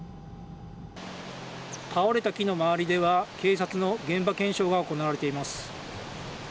倒れた木の周りでは警察の現場検証が行われています。